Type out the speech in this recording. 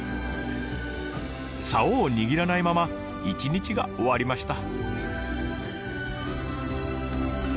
サオを握らないまま一日が終わりました。